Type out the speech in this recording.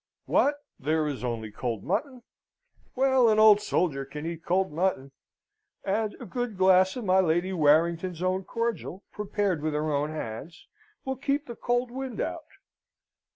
"What, there is only cold mutton? Well, an old soldier can eat cold mutton. And a good glass of my Lady Warrington's own cordial, prepared with her own hands, will keep the cold wind out.